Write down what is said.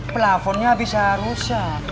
pelafonnya bisa rusak